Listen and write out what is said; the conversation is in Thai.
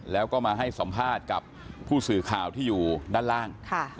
แล้วก็มาให้สัมภาษณ์กับผู้สื่อข่าวที่อยู่ด้านล่าง